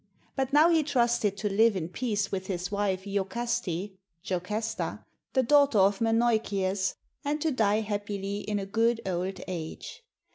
But now he trusted to live in peace with his wife lokaste (Jocasta), the daughter of Menoikeus, and to die happily in a good old age.